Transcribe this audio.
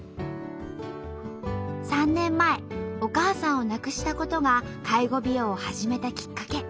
３年前お母さんを亡くしたことが介護美容を始めたきっかけ。